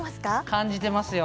感じていますよ。